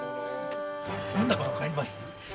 何だか分かります？